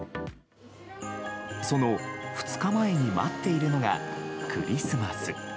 その２日前に待っているのがクリスマス。